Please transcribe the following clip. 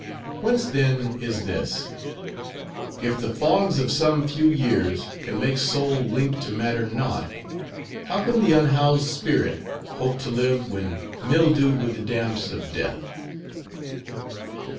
Whence then is this? If the fogs of some few years can make soul linked to matter naught; how can the unhoused spirit hope to live when mildewed with the damps of death."